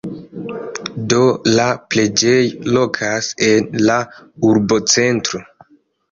Do, la preĝejo lokas en la urbocentro.